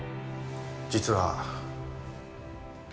実は。